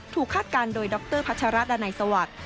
คาดการณ์โดยดรพัชรัตดานัยสวัสดิ์